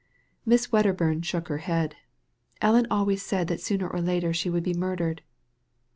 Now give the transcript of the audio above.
Miss Wedderbum shook her head *' Ellen always said that sooner or later she would be murdered."